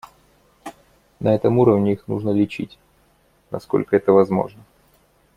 На этом уровне их нужно лечить, насколько это возможно.